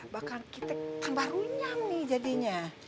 bahkan kita tambah runyam nih jadinya